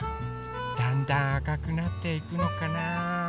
だんだんあかくなっていくのかな。